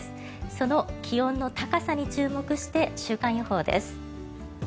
その気温の高さに注目して週間予報です。